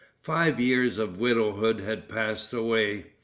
Five years of widowhood had passed away.